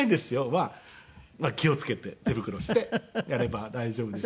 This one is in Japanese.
まあ気を付けて手袋してやれば大丈夫ですし。